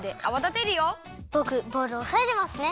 ぼくボウルをおさえてますね。